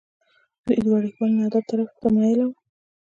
دوي د وړوکوالي نه ادب طرف ته مائله وو ۔